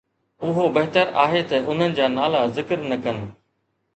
اهو بهتر آهي ته انهن جا نالا ذڪر نه ڪن.